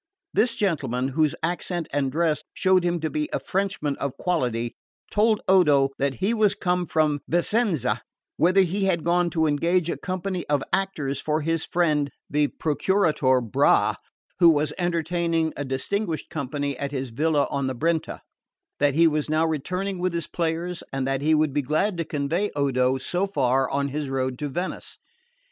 This gentleman, whose accent and dress showed him to be a Frenchman of quality, told Odo that he was come from Vicenza, whither he had gone to engage a company of actors for his friend the Procuratore Bra, who was entertaining a distinguished company at his villa on the Brenta; that he was now returning with his players, and that he would be glad to convey Odo so far on his road to Venice.